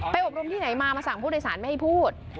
อบรมที่ไหนมามาสั่งผู้โดยสารไม่ให้พูด